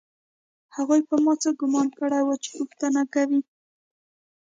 هغوی په ما څه ګومان کړی و چې پوښتنه کوي